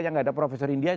yang gak ada profesor india